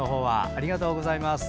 ありがとうございます。